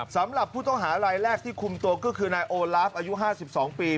สำหรับผู้ต้องหารายแรกที่คุมตัวก็คือนายโอลาฟอายุ๕๒ปี